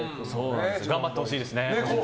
頑張ってほしいですね。